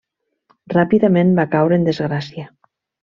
Ràpidament va caure en desgràcia.